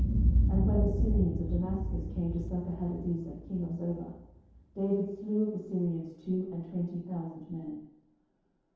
10:008:005 And when the Syrians of Damascus came to succour Hadadezer king of Zobah, David slew of the Syrians two and twenty thousand men.